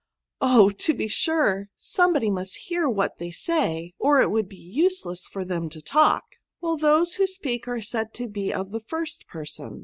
" Oh ! to be sure, somebody must hear what they say, or it would be useless for them to talk." '* Well, those who speak are said to be of the first person.